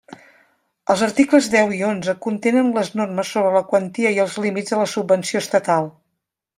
Els articles deu i onze contenen les normes sobre la quantia i els límits de la subvenció estatal.